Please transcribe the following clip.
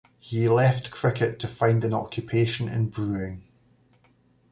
He left cricket to find an occupation in brewing.